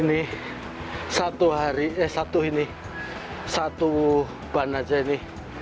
ini satu hari eh satu ini satu ban aja ini